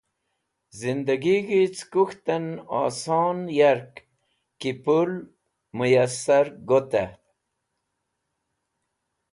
Ẽndegig̃hi cẽ kũkhtẽn oson yark ki pul mũyẽsar gotẽn.